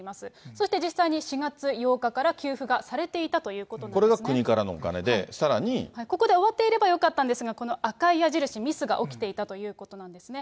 そして実際に４月８日から給付がこれが国からのお金で、さらここで終わっていればよかったんですが、この赤い矢印、ミスが起きていたということなんですね。